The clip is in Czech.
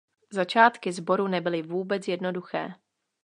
Začátky sboru nebyly vůbec jednoduché.